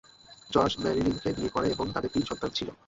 George ম্যারিলিনকে বিয়ে করেন এবং তাদের তিন সন্তান ছিল।